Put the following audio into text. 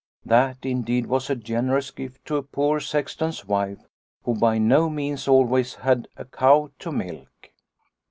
That indeed was a generous gift to a poor Sexton's wife who by no means always had a cow to milk.